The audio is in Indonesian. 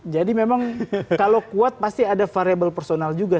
jadi memang kalau kuat pasti ada variabel personal juga